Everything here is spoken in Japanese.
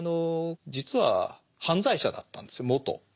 実は犯罪者だったんですよ元。